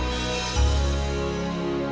mereka sudah berubah alasnya